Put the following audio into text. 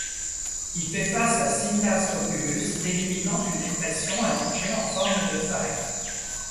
Il fait face à Scylla Scopulus, délimitant une dépression allongée en forme de faille.